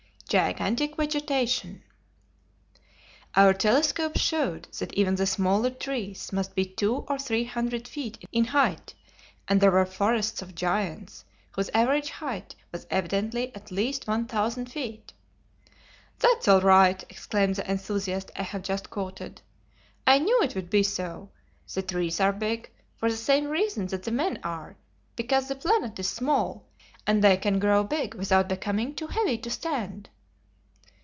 Gigantic Vegetation. Our telescopes showed that even the smaller trees must be 200 or 300 feet in height, and there were forests of giants, whose average height was evidently at least 1,000 feet. "That's all right," exclaimed the enthusiast I have just quoted. "I knew it would be so. The trees are big, for the same reason that the men are, because the planet is small, and they can grow big without becoming too heavy to stand."